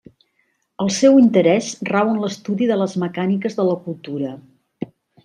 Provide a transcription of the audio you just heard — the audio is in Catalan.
El seu interès rau en l'estudi de les mecàniques de la cultura.